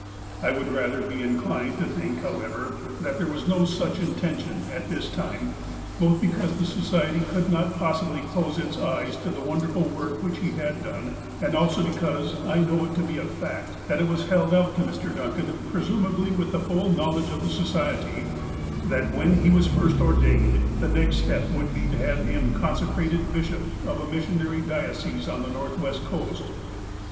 I would rather be inclined to think, however, that there was no such intention, at this time, both because the Society could not possibly close its eyes to the wonder ful work which he had done, and also because I know it to be a fact that it was held out to Mr, Duncan, presu mably with the full knowledge of the Society, that, when he first was ordained, the next step would be to have him consecrated bishop of a missionary diocese on the North west coast.